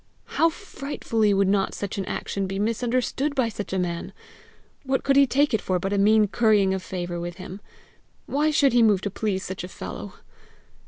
How frightfully would not such an action be misunderstood by such a man! What could he take it for but a mean currying of favour with him! Why should he move to please such a fellow!